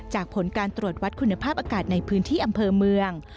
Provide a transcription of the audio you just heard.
ผลการตรวจวัดคุณภาพอากาศในพื้นที่อำเภอเมือง